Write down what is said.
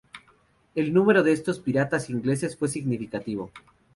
El número de estos piratas ingleses fue significativo.